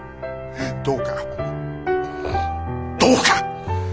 どうかどうか！